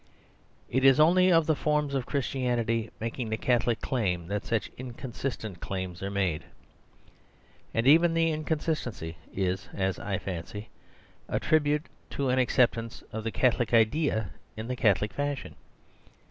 It is only of the forms of Christianity making the Catholic claim that such inconsistent claims are made. And even the inconsistency is, I fancy, a tribute to the acceptance of the Catholic idea in a catholic fashion.